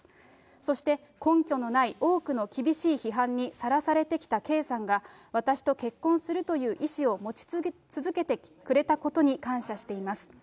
そして根拠のない多くの厳しい批判にさらされてきた圭さんが、私と結婚するという意思を持ち続けてくれたことに感謝しています。